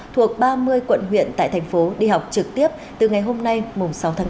thuộc ba mươi quận huyện tại thành phố đi học trực tiếp từ ngày hôm nay sáu tháng bốn